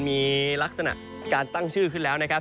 มีลักษณะการตั้งชื่อขึ้นแล้วนะครับ